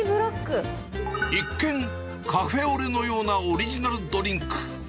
一見、カフェオレのようなオリジナルドリンク。